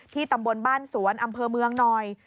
ตำบลบ้านสวนอำเภอเมืองหน่อย